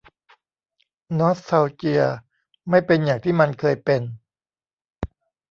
นอสทัลเจียไม่เป็นอย่างที่มันเคยเป็น